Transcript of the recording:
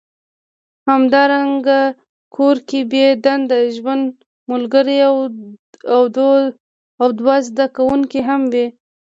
همدارنګه کور کې بې دندې ژوند ملګری او دوه زده کوونکي هم وي